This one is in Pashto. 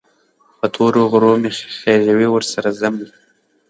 په تورو غرو مې خېژوي، ورسره ځمه